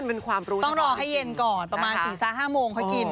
ต้องรอให้เย็นก่อนประมาณ๔๕โมงค่อยกิน